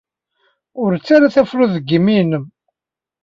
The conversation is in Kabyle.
Ur ttarra tafrut deg yimi-nnem.